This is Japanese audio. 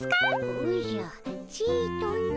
おじゃちとの。